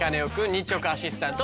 日直アシスタント